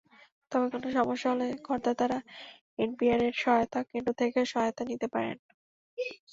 তবে কোনো সমস্যা হলে করদাতারা এনবিআরের সহায়তা কেন্দ্র থেকেও সহায়তা নিতে পারেন।